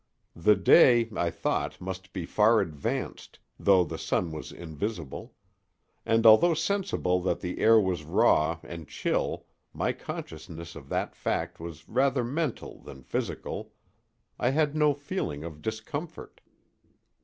The day, I thought, must be far advanced, though the sun was invisible; and although sensible that the air was raw and chill my consciousness of that fact was rather mental than physical—I had no feeling of discomfort.